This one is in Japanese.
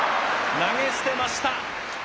投げ捨てました。